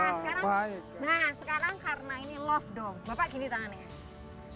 senyum ya satu ratus dua puluh tiga gandengnya tiga nah sekarang karena ini love dong bapak gini tangannya